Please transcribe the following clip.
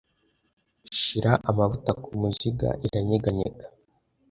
Shira amavuta kumuziga. Iranyeganyega.